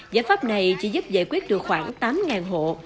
giải pháp này chỉ giúp giải quyết được khoảng tám hộ